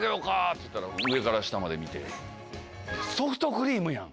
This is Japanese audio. っつったら上から下まで見て。